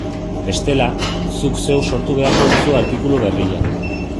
Bestela, zuk zeuk sortu beharko duzu artikulu berria.